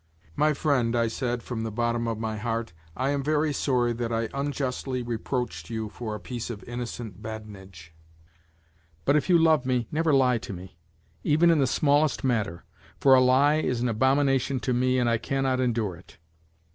"My friend," I said from the bottom of my heart, "I am very sorry that I unjustly reproached you for a piece of innocent badinage; but if you love me, never lie to me, even in the smallest matter, for a lie is an abomination to me and I can not endure it."